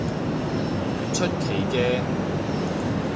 唔出奇嘅